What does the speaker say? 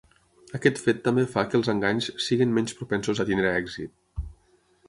Aquest fet també fa que els enganys siguin menys propensos a tenir èxit.